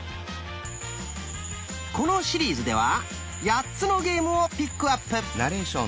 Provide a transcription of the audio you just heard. このシリーズでは８つのゲームをピックアップ。